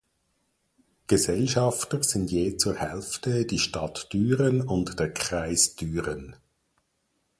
Gesellschafter sind je zur Hälfte die Stadt Düren und der Kreis Düren.